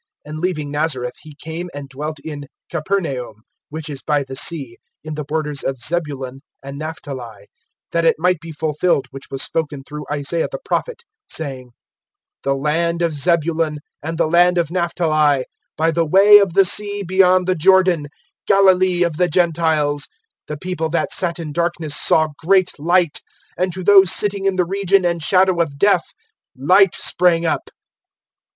(13)And leaving Nazareth, he came and dwelt in Capernaum, which is by the sea, in the borders of Zebulun and Naphtali; (14)that it might be fulfilled which was spoken through Isaiah the prophet, saying: (15)The land of Zebulun, and the land of Naphtali, By the way of the sea, beyond the Jordan, Galilee of the Gentiles, (16)The people that sat in darkness, saw great light, And to those sitting in the region and shadow of death light sprang up.